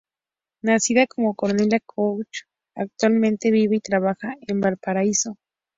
Nacida como Cornelia Koch, actualmente vive y trabaja en Valparaíso.